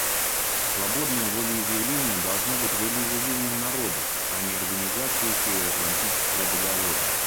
Свободное волеизъявление должно быть волеизъявлением народов, а не Организации Североатлантического договора.